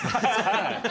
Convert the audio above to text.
はい。